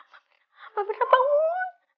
pak mir bangun